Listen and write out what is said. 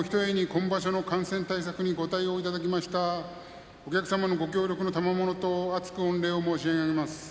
今場所の感染対策にご対応いただきましたお客様のご協力のたまものと厚く御礼を申し上げます。